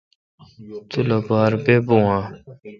تو لوپار ییبو اؘ۔